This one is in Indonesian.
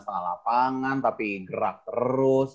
setengah lapangan tapi gerak terus